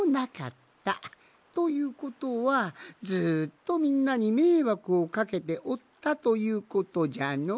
ということはずっとみんなにめいわくをかけておったということじゃの。